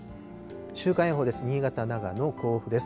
週間予報です。